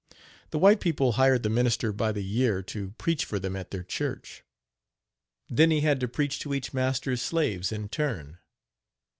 The white people hired the minister by the year to preach for them at their church. Then he had to preach to each master's slaves in turn.